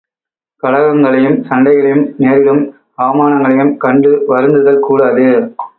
கலகங்களையும் சண்டைகளையும் நேரிடும் அவமானங்களையும் கண்டு வருந்துதல் கூடாது.